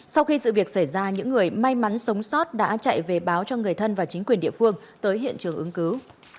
sau khi sự việc xảy ra những người may mắn sống sót đã chạy về báo cho người thân và chính quyền địa phương tới hiện trường ứng cứu